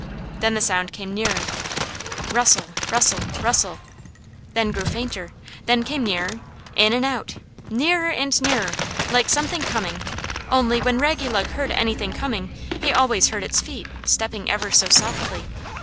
Then the sound came nearer, "rustle rustle rustle"; then grew fainter, then came nearer; in and out, nearer and nearer, like something coming; only, when Raggylug heard anything coming he always heard its feet, stepping ever so softly.